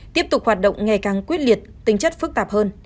tiếp tục hoạt động ngày càng quyết liệt tính chất phức tạp hơn